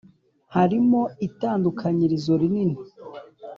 harimo itandukanyirizo rinini